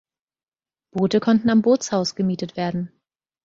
Boote konnten am Bootshaus gemietet werden.